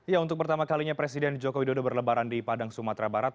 ya untuk pertama kalinya presiden joko widodo berlebaran di padang sumatera barat